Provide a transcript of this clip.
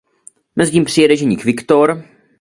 Mezitím přijede ženich Viktor.